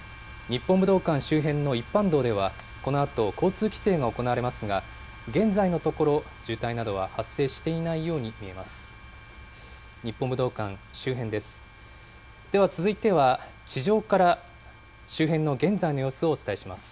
日本武道館周辺の一般道では、このあと交通規制が行われますが、現在のところ、渋滞などは発生していないように見えます。